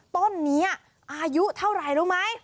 ต้นนี้อายุเท่าไหร่รู้ไหม